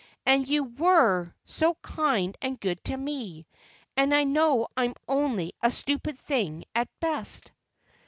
And you were so kind and good to me, and I know I'm only a stupid thing at best."